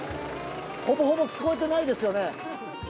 ほぼほぼ聞こえてないですよね。